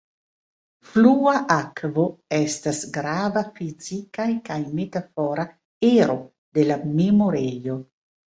Flua akvo estas grava fizikaj kaj metafora ero de la memorejo.